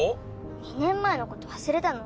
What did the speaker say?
２年前のこと忘れたの？